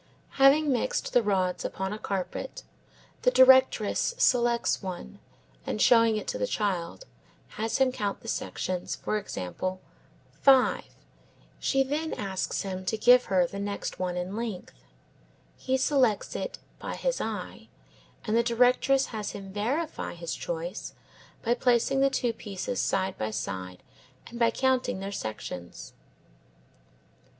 Having mixed the rods upon a carpet, the directress selects one, and showing it to the child, has him count the sections; for example, 5. She then asks him to give her the one next in length. He selects it by his eye, and the directress has him verify his choice by placing the two pieces side by side and by counting their sections.